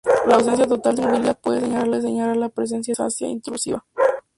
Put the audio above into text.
La ausencia total de movilidad puede señalar la presencia de una luxación intrusiva.